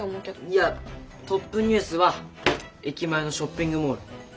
いやトップニュースは駅前のショッピングモール。